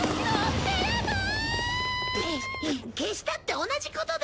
消したって同じことだよ。